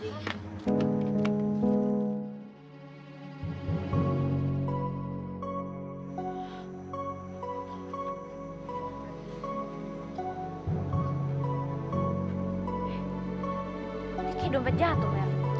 ini kayak dompet jatuh mel